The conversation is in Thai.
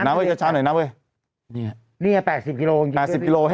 น้ำเว้ยช้าหน่อยน้ำเว้ยเนี้ยเนี้ยแปดสิบกิโลแปดสิบกิโลฮะ